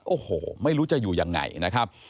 โอ้โหไม่รู้จะอยู่ยังไงนะครับ